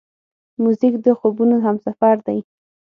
موزیک د خوبونو همسفر دی.